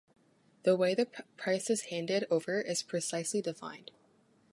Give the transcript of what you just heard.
The way the price is handed over is precisely defined.